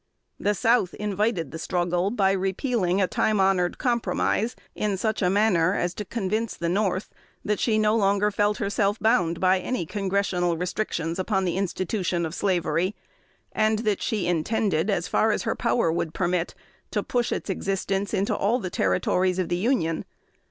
The South invited the struggle by repealing a time honored compromise, in such a manner as to convince the North that she no longer felt herself bound by any Congressional restrictions upon the institution of slavery; and that she intended, as far as her power would permit, to push its existence into all the Territories of the Union.